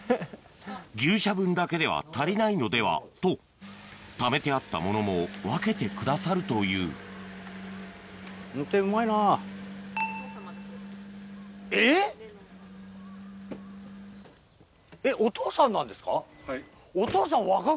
牛舎分だけでは足りないのではとためてあったものも分けてくださるというお父さん。